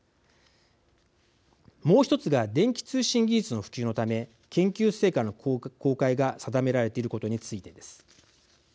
もう１つが電気通信技術の普及のため研究成果の公開が定められていることについてです。